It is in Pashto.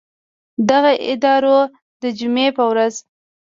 دغه ادارو د جمعې په ورځ